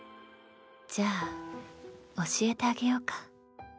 じゃあ教えてあげようか。